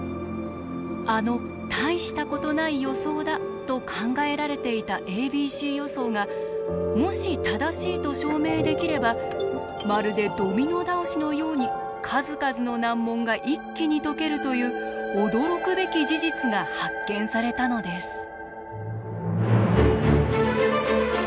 あのたいしたことない予想だと考えられていたａｂｃ予想がもし正しいと証明できればまるでドミノ倒しのように数々の難問が一気に解けるという驚くべき事実が発見されたのです。